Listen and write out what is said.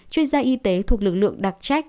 chuyên gia y tế thuộc lực lượng đặc trách